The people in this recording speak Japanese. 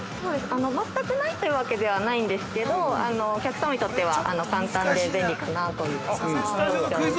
◆全くないというわけではないんですけど、お客様にとっては簡単で便利かなという特徴ですね。